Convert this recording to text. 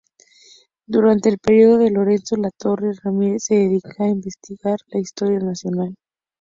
Durante el período de Lorenzo Latorre, Ramírez se dedica a investigar la historia nacional.